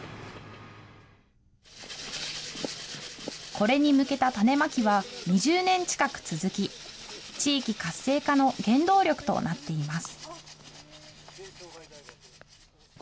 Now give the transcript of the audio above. これに向けた種まきは、２０年近く続き、地域活性化の原動力となっています。